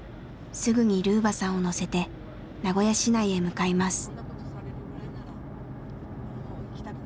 すぐにルーバさんを乗せて名古屋市内へ向かいます。